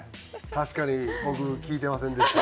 確かに僕聞いてませんでした。